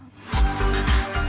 tapi makin keras luar biasa